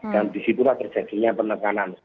dan disitulah prosesinya penekanan